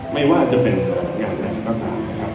ไม่ว่าจะเป็นงานแหล่งน้ำตาลนะครับ